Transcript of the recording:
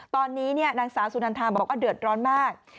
ตอนนี้นางสาวสุนันทาบอกว่าเดือดร้อนมาก